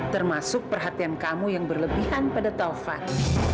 termasuk perhatian kamu yang berlebihan pada taufad